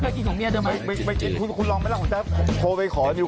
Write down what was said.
เค้ากินของเมียด้วยไหม